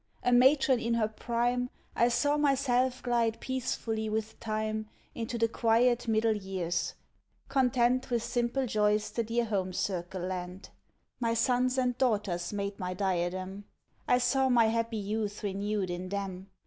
a matron in her prime, I saw myself glide peacefully with time Into the quiet middle years, content With simple joys the dear home circle lent. My sons and daughters made my diadem; I saw my happy youth renewed in them.